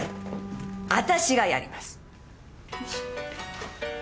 私がやります！